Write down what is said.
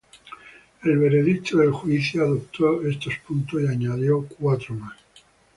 El veredicto del juicio adoptó estos puntos y añadió cuatro más.